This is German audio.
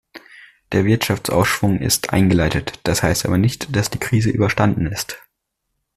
Der Wirtschaftsaufschwung ist eingeleitet, das heißt aber nicht, dass die Krise überstanden ist.